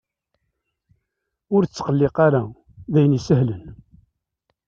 Ur ttqelliq ara! D ayen isehlen.